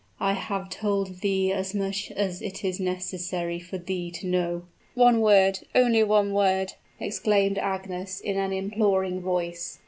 I have told thee as much as it is necessary for thee to know " "One word only one word!" exclaimed Agnes in an imploring voice.